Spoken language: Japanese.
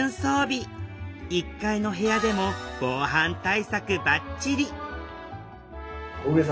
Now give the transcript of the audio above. １階の部屋でも防犯対策ばっちり！